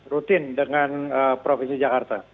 rutin dengan provinsi jakarta